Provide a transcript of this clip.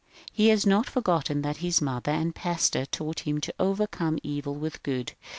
He has not forgotten that his mother and pastor taught him to overcome evil with good.